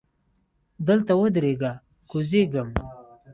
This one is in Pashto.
دلته ودریږه! کوزیږم.